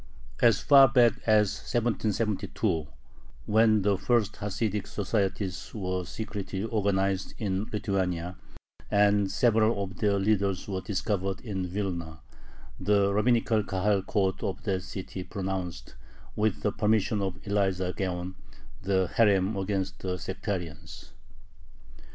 As far back as 1772, when the first Hasidic societies were secretly organized in Lithuania, and several of their leaders were discovered in Vilna, the rabbinical Kahal court of that city pronounced, with the permission of Elijah Gaon, the herem against the sectarians.